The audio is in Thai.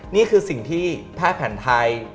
นี่คือสิ่งที่แพทย์แผนไทย